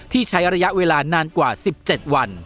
ใช้ระยะเวลานานกว่า๑๗วัน